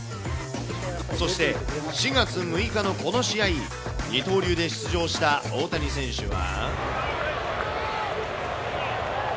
そして４月６日のこの試合、二刀流で出場した大谷選手は。